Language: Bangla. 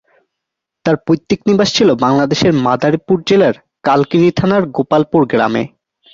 তাঁর পৈতৃক নিবাস ছিল বাংলাদেশের মাদারীপুর জেলার কালকিনি থানার গোপালপুর গ্রামে।